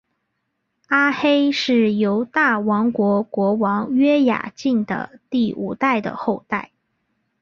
阿黑是犹大王国国王约雅敬的第五代的后代。